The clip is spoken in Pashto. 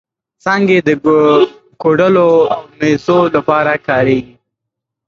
څانګې یې د کوډلو او مېزو لپاره کارېږي.